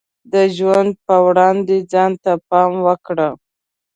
د ژوند په وړاندې ځان ته پام وکړه.